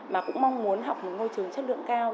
mà cũng mong muốn học một ngôi trường chất lượng cao